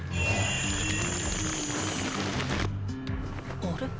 あれ？